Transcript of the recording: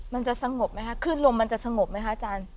มันจะสงบไหมคะขึ้นลมมันจะสงบไหมคะอาจารย์